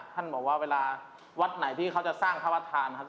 ท่านบอกว่าเวลาวัดไหนที่เขาจะสร้างภาพธรรม